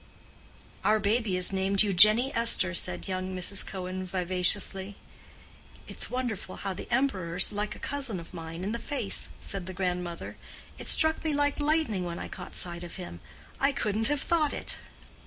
"Our baby is named _Eu_genie Esther," said young Mrs. Cohen, vivaciously. "It's wonderful how the Emperor's like a cousin of mine in the face," said the grandmother; "it struck me like lightning when I caught sight of him. I couldn't have thought it."